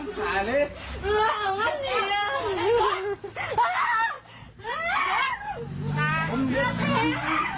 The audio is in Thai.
เขารังฉายเลยเอาเนียน